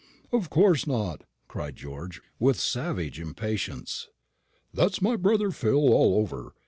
"Of course not," cried George, with savage impatience; "that's my brother Phil all over.